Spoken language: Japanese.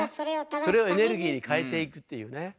それをエネルギーに換えていくっていうね。